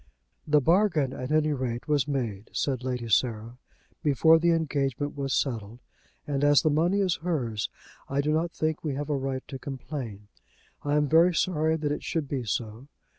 "The bargain, at any rate, was made," said Lady Sarah, "before the engagement was settled; and as the money is hers, I do not think we have a right to complain. I am very sorry that it should be so.